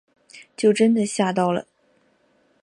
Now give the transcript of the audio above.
就真的吓到了